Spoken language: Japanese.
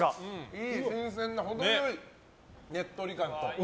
新鮮な、程良いねっとり感と。